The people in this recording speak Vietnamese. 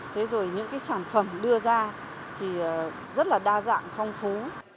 thế rồi những cái sản phẩm đưa ra thì rất là đa dạng phong phú